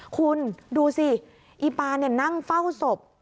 คุณดูสิอีปานั่งเฝ้าศพ